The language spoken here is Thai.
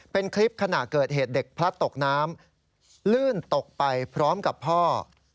เป็นคลิปขณะเกิดเหตุเด็กพลัดตกน้ำลื่นตกไปพร้อมกับพ่อ